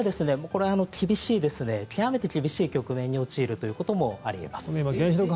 これは厳しい極めて厳しい局面に陥るということもあり得ます。